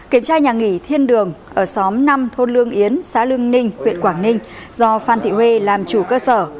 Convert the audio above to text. kiểm tra nhà nghỉ thiên đường ở xóm năm thôn lương yến xã lương ninh huyện quảng ninh do phan thị huê làm chủ cơ sở